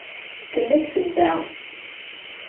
Tella sebba.